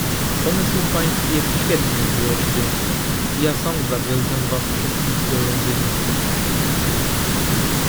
"Pomysł pański jest świetny, milordzie, ja sam zawiozę was wszystkich do Londynu."